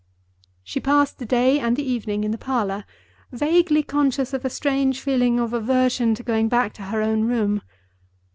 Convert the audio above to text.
She passed the day and the evening in the parlor, vaguely conscious of a strange feeling of aversion to going back to her own room.